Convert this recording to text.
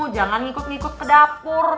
jangan ngikut ngikut ke dapur